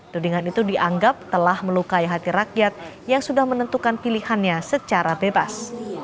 tudingan itu dianggap telah melukai hati rakyat yang sudah menentukan pilihannya secara bebas